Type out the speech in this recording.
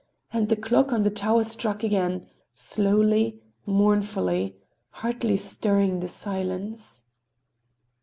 And the clock on the tower struck again, slowly, mournfully, hardly stirring the silence.